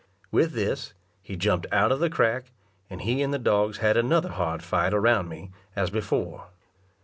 With this, he jumped out of the crack, and he and the dogs had another hard fight around me, as before.